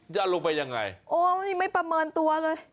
ยังลงไปยังไงไม่ประเมินตัวเลย